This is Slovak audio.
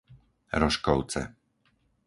Roškovce